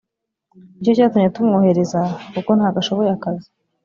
ni cyo cyatumye tumwohereza kuko ntago ashoboye akazi